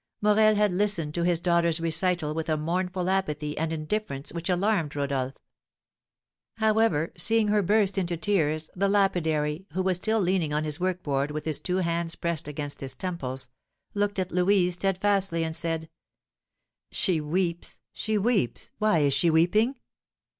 Morel had listened to his daughter's recital with a mournful apathy and indifference which alarmed Rodolph. However, seeing her burst into tears, the lapidary, who was still leaning on his work board with his two hands pressed against his temples, looked at Louise steadfastly, and said: "She weeps, she weeps, why is she weeping?"